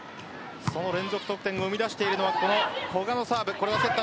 その連続得点を生み出しているのはこの古賀のサーブ。